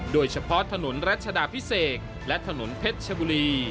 โดยเฉพาะถนนรัชดาพิเศษและถนนเพชรชบุรี